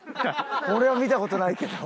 俺は見た事ないけど。